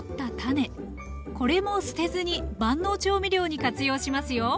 これも捨てずに万能調味料に活用しますよ。